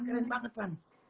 keren banget pan